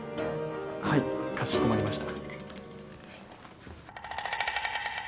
はいかしこまりました。